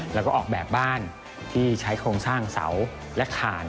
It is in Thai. แล้วก็ออกแบบบ้านที่ใช้โครงสร้างเสาและคาน